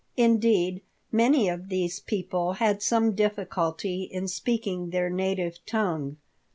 Indeed, many of these people had some difficulty in speaking their native tongue.